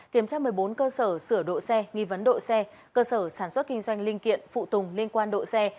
kiểm tra một mươi bốn cơ sở sửa đổi xe nghi vấn độ xe cơ sở sản xuất kinh doanh linh kiện phụ tùng liên quan độ xe